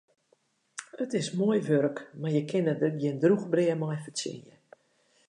It is moai wurk, mar je kinne der gjin drûch brea mei fertsjinje.